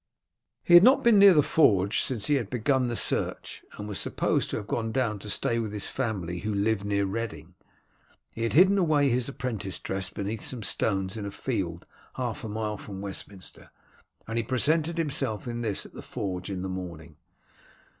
He had not been near the forge since he had begun the search, and was supposed to have gone down to stay with his family, who lived near Reading. He had hidden away his apprentice dress beneath some stones in a field half a mile from Westminster, and he presented himself in this at the forge in the morning.